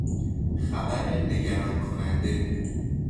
خبر نگران کننده